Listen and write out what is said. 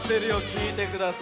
きいてください。